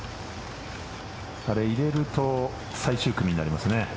入れると最終組になりますね。